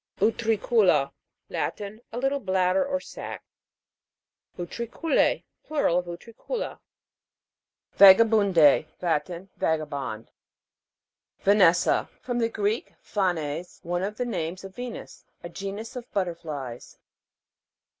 UTRI'CULA. Latin. A little bladder or sac. UTRI'CUL^E. Plural of utricula. VAGABUN'D,E. Latin. Vagabond. VANES'SA. From the Greek, phanes, one of the names of Venus. A genus of butterflies.